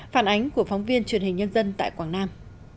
phản ánh của phóng viên truyền hình nhân dân tại quảng nam